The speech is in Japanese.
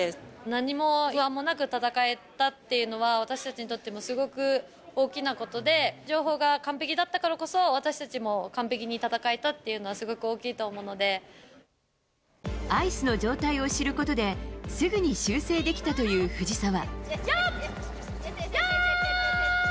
何も不安もなく戦えたっていうのは、私たちにとってもすごく大きなことで、情報が完璧だったからこそ、私たちも完璧に戦えたっていうのはすごく大きいと思うアイスの状態を知ることで、すぐに修正できたという藤澤。